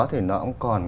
thì nó cũng còn